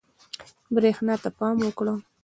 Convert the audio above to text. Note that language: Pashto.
برېښنا ته پام وکړه.